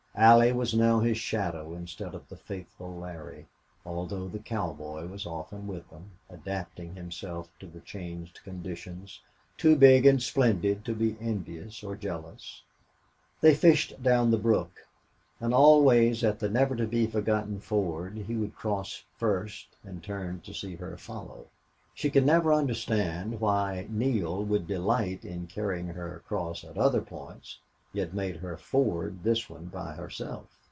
Allie was now his shadow instead of the faithful Larry, although the cowboy was often with them, adapting himself to the changed conditions, too big and splendid to be envious or jealous. They fished down the brook, and always at the never to be forgotten ford he would cross first and turn to see her follow. She could never understand why Neale would delight in carrying her across at other points, yet made her ford this one by herself.